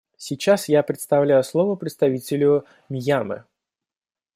Сейчас я предоставляю слово представителю Мьянмы.